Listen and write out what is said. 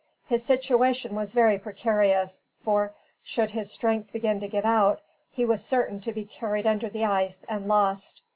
His situation was very precarious, for, should his strength begin to give out, he was certain to be carried under the ice and lost.